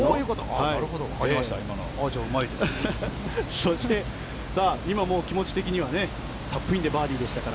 そして今、気持ち的にはタップインでバーディーでしたから。